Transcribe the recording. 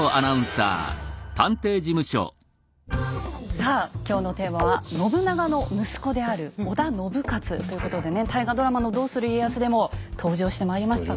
さあ今日のテーマは信長の息子である「織田信雄」ということでね大河ドラマの「どうする家康」でも登場してまいりましたが。